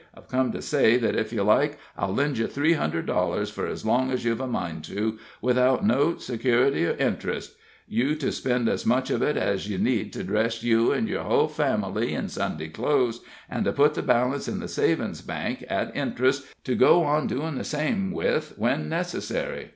I've come to say that if you like I'll lend you three hundred dollars fur as long as ye'v a mind to, without note, security or int'rest; you to spend as much of it ez ye need to dress you an' yer hull fam'ly in Sunday clothes, and to put the balance in the Savin's Bank, at interest, to go on doin' the same with when necessary.